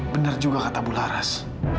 benar juga kata bu laras